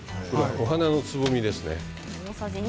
花のつぼみですね。